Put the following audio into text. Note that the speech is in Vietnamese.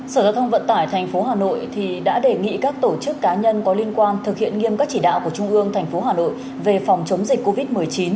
sở giao thông vận tải tp hà nội đã đề nghị các tổ chức cá nhân có liên quan thực hiện nghiêm các chỉ đạo của trung ương thành phố hà nội về phòng chống dịch covid một mươi chín